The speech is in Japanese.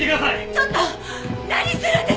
ちょっと何するんですか！